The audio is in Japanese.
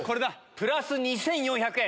プラス２４００円。